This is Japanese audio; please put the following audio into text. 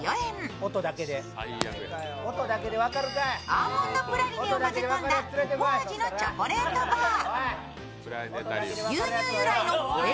アーモンドプラリネを混ぜ込んだココア味のチョコレートバー。